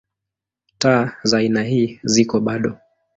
Taa za aina ii ziko bado.